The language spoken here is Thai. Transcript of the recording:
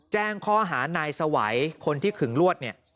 แจ้งข้อหานายสวัยคนที่ขึงลวดเนี่ย